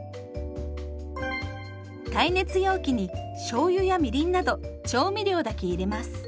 耐熱容器にしょうゆやみりんなど調味料だけ入れます。